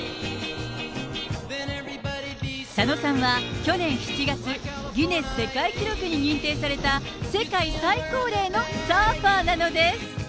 佐野さんは去年７月、ギネス世界記録に認定された、世界最高齢のサーファーなのです。